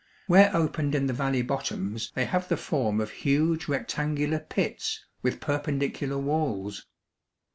Where opened in the valley bottoms they have the form of huge rectangular pits, with perpendicular walls.